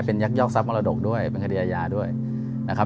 เป็นยักยอกทรัพมรดกด้วยเป็นคดีอาญาด้วยนะครับ